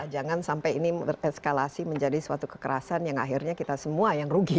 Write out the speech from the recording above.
jangan sampai ini eskalasi menjadi suatu kekerasan yang akhirnya kita semua yang rugi